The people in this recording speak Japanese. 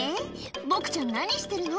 ボクちゃん何してるの？